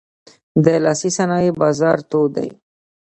د لاسي صنایعو بازار تود دی.